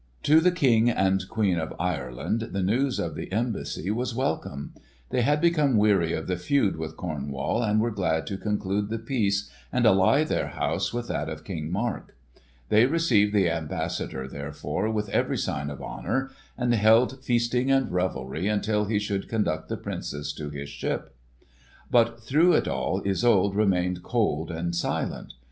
To the King and Queen of Ireland the news of the embassy was welcome. They had become weary of the feud with Cornwall and were glad to conclude the peace and ally their house with that of King Mark. They received the ambassador, therefore, with every sign of honour, and held feasting and revelry until he should conduct the Princess to his ship. But through it all Isolde remained cold and silent.